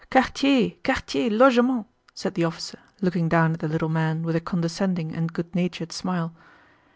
"Quartier, quartier, logement!" said the officer, looking down at the little man with a condescending and good natured smile.